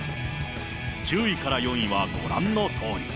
１０位から４位はご覧のとおり。